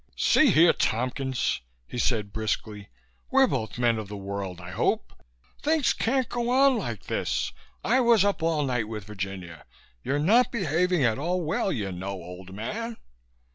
"See here, Tompkins," he said briskly. "We're both men of the world, I hope. Things can't go on like this. I was up all night with Virginia. You're not behaving at all well, you know, old man."